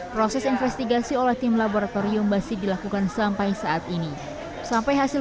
proses investigasi oleh tim laboratorium masih dilakukan sampai saat ini sampai hasil